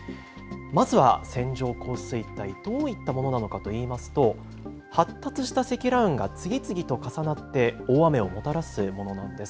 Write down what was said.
まずは線状降水帯、どういったものなのかといいますと発達した積乱雲が次々と重なって大雨をもたらすものなんです。